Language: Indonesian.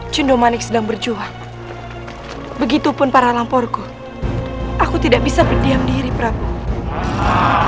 jundomanik sedang berjuang begitupun para lamporku aku tidak bisa berdiam diri prabowo